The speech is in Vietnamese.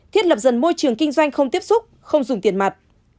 thiết lập dần môi trường kinh doanh không tiếp xúc không dùng tiền mặt